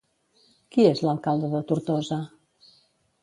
Qui és l'alcalde de Tortosa?